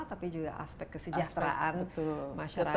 tapi juga aspek kesejahteraan masyarakat